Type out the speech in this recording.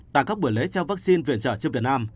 tại các buổi lễ trao vaccine viện trợ trước việt nam